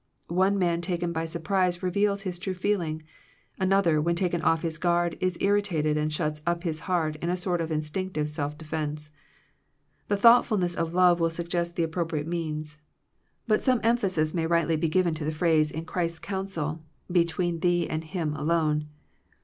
One man taken by surprise reveals his true feeling; another, when taken off his guard, is irritated, and shuts up his heart in a sort of instinctive self defence. The thoughtfulness of love will suggest the appropriate means, but some emphasis 179 Digitized by VjOOQIC THE RENEWING OF FRIENDSHIP may rightly be given to the phrase in Christ's counsel, "between thee and him alone."